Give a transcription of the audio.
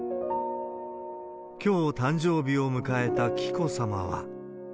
きょう、誕生日を迎えた紀子さまは。